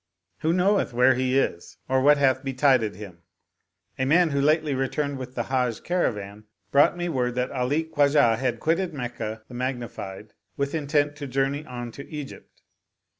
Who knoweth where he is or what hath betided him? A man who lately returned with the Hajj caravan brought me word that AH Khwajah had quitted Meccah the Magnified with intent to journey on to Egypt.